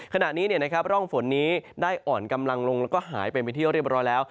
ขณะนี้ร่องฝนนี้ได้อ่อนกำลังลงแล้วก็หายไปเป็นที่เรียบร้อยแล้ว